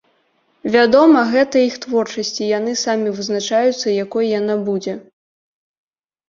Вядома, гэта іх творчасць і яны самі вызначаюцца, якой яна будзе.